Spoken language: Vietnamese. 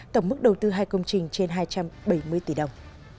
tổng mức đầu tư hai công trình trên hai trăm bảy mươi tỷ đồng